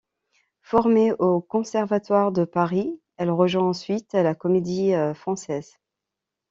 Formée au Conservatoire de Paris, elle rejoint ensuite la Comédie-Française.